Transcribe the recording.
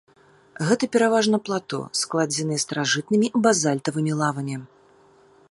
Гэта пераважна плато, складзеныя старажытнымі базальтавымі лавамі.